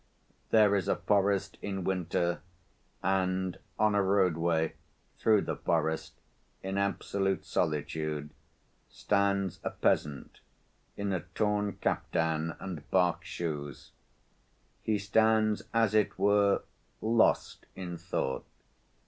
There is a forest in winter, and on a roadway through the forest, in absolute solitude, stands a peasant in a torn kaftan and bark shoes. He stands, as it were, lost in thought.